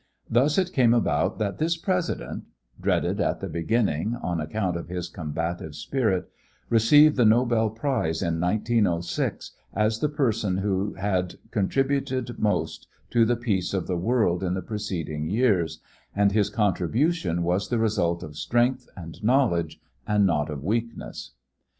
Thus it came about that this President, dreaded at the beginning on account of his combative spirit, received the Nobel prize in 1906 as the person who had contribute most to the peace of the world in the preceding years, and his contribution was the result of strength and knowledge and not of weakness.